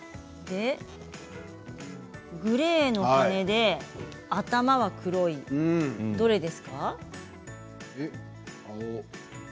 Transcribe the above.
グレーの羽で頭が黒いどれですか？